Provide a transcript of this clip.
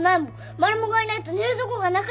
マルモがいないと寝るとこがなくなっちゃう。